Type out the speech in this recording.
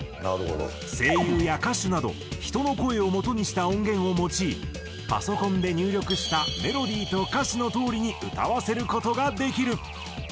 声優や歌手など人の声をもとにした音源を用いパソコンで入力したメロディーと歌詞のとおりに歌わせる事ができる。